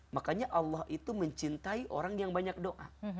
makanya allah itu mencintai orang yang banyak doa